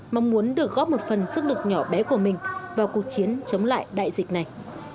mong muốn được góp một phần sức lực nhỏ bé của mình vào cuộc chiến chống lại đại dịch này